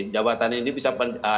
jabatan ini bisa pegang